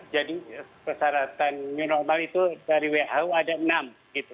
jadi persyaratan new normal itu dari who ada enam